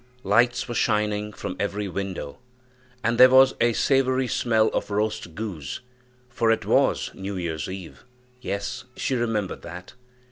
Lights were shining from every window, and there was a savory smell of roast goose, for it was New year's eve yes, she remembered that.